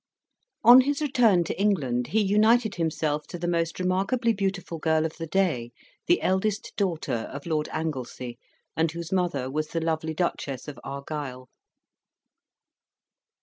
On his return to England, he united himself to the most remarkably beautiful girl of the day, the eldest daughter of Lord Anglesea, and whose mother was the lovely Duchess of Argyle.